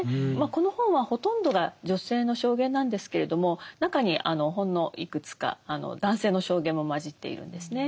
この本はほとんどが女性の証言なんですけれども中にほんのいくつか男性の証言も混じっているんですね。